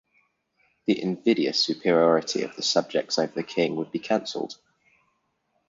The invidious superiority of the subjects over the king would be cancelled.